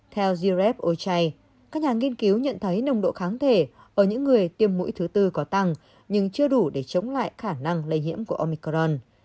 theo grep o chay các nhà nghiên cứu nhận thấy nồng độ kháng thể ở những người tiêm mũi thứ tư có tăng nhưng chưa đủ để chống lại khả năng lây nhiễm của omicron